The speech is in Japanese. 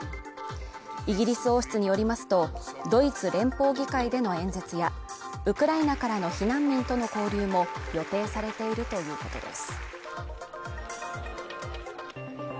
イギリス王室によりますと、ドイツ連邦議会での演説やウクライナからの避難民との交流も予定されているということです。